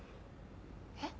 えっ？